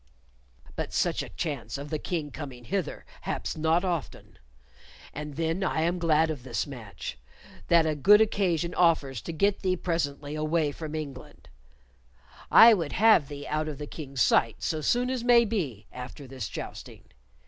But such a chance of the King coming hither haps not often. And then I am glad of this much that a good occasion offers to get thee presently away from England. I would have thee out of the King's sight so soon as may be after this jousting.